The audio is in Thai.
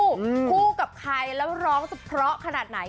คู่กับใครแล้วร้องจะเพราะขนาดไหน